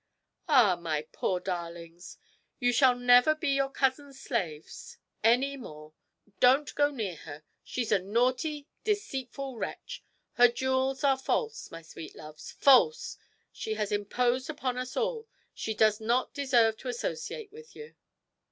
'Ah, my poor darlings, you shall never be your cousin's slaves any more. Don't go near her, she's a naughty, deceitful wretch; her jewels are false, my sweet loves, false! She has imposed upon us all, she does not deserve to associate with you!'